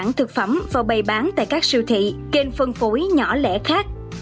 các loại thực phẩm vào bày bán tại các siêu thị kênh phân phối nhỏ lẻ khác